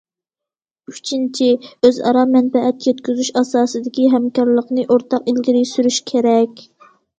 ئۈچىنچى، ئۆزئارا مەنپەئەت يەتكۈزۈش ئاساسىدىكى ھەمكارلىقنى ئورتاق ئىلگىرى سۈرۈش كېرەك.